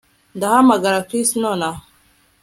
Ndahamagara Chris nonaha